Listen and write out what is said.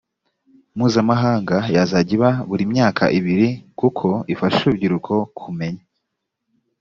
mpuzamahanga yazajya iba buri myaka ibiri kuko ifasha urubyiruko kumenya